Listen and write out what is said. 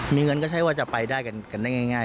มีเงินก็ใช้ว่าจะไปได้กันได้ง่าย